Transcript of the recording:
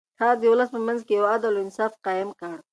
هغه د ولس په منځ کې يو عدل او انصاف قايم کړ.